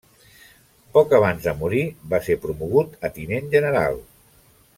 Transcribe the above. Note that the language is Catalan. Poc abans de morir va ser promogut a Tinent General.